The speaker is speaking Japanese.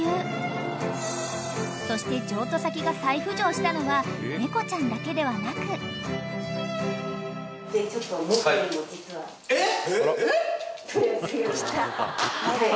［そして譲渡先が再浮上したのは猫ちゃんだけではなく］えっ！？